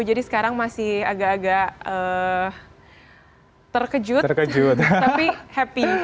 jadi sekarang masih agak agak terkejut tapi happy